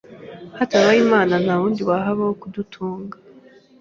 hatabaye Imana nta wundi wahaba wo kudutunga.